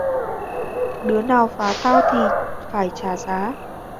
đứa nào phá tao thì phải trả giá